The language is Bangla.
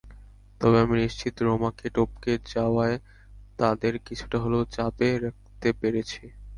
তবে আমি নিশ্চিত, রোমাকে টপকে যাওয়ায় তাদের কিছুটা হলেও চাপে রাখতে পেরেছি।